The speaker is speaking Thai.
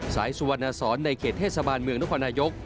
สุวรรณสอนในเขตเทศบาลเมืองนครนายก